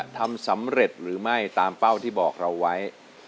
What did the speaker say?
ทำสำเร็จหรือไม่ตามเป้าที่บอกเราไว้